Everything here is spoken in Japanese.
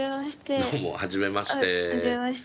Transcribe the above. どうもはじめまして。